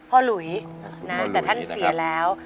หลุยนะแต่ท่านเสียแล้ว